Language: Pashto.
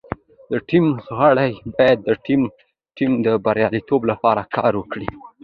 د ټیم غړي باید د ټول ټیم د بریالیتوب لپاره کار وکړي.